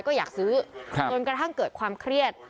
ก็อยากซื้อจนกระทั่งเกิดความเครียด